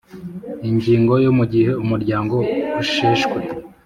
Ingingo yo mu gihe umuryango usheshwe